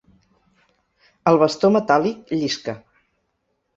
El bastó metàl·lic llisca.